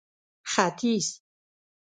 ختيځ